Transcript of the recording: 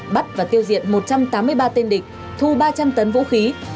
bắt và tiêu diệt một trăm tám mươi ba tên địch thu ba trăm linh tấn vũ khí